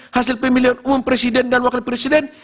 hasil pemilihan umum presiden dan wakil presiden